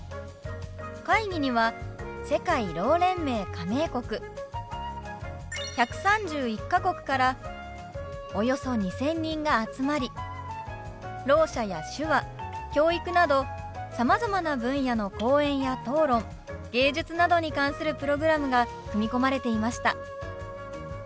会議には世界ろう連盟加盟国１３１か国からおよそ２，０００人が集まりろう者や手話教育などさまざまな分野の講演や討論芸術などに関するプログラムが組み込まれていました。